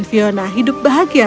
dia mengatakan tahanya